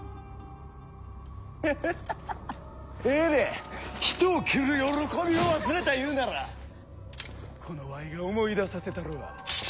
ハハハええで人を斬る喜びを忘れたいうならこのわいが思い出させたるわ。